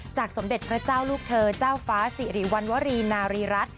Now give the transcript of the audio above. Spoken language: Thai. สมเด็จพระเจ้าลูกเธอเจ้าฟ้าสิริวัณวรีนารีรัฐ